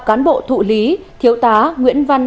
cán bộ thụ lý thiếu tá nguyễn văn